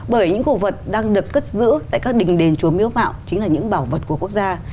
bởi những cổ vật đang được cất giữ tại các đình đền chúa miếu mạo chính là những bảo vật của quốc gia